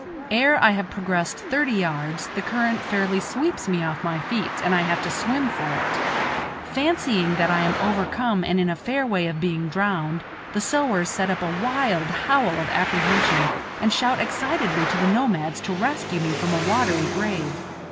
Ere I have progressed thirty yards, the current fairly sweeps me off my feet and I have to swim for it. Fancying that I am overcome and in a fair way of being drowned, the sowars set up a wild howl of apprehension, and shout excitedly to the nomads to rescue me from a watery grave.